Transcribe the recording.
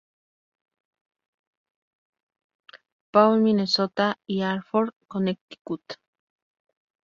Paul, Minnesota y Hartford, Connecticut.